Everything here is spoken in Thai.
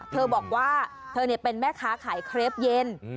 เธอบอกว่าเธอเป็นแม่ค้าขายเครปเย็น